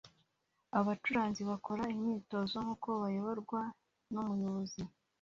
Abacuranzi bakora imyitozo nkuko bayoborwa numuyobozi